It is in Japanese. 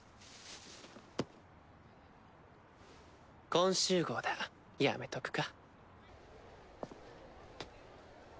今週号だやめとくか。